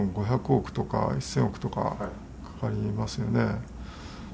５００億とか、１０００億とかかかりますよね。